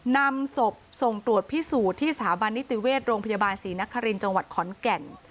นำศพส่งตรวจพิสูจน์ที่สถาบันนิติเวชโรงพยาบาลศรีนครินทร์จังหวัดขอนแก่น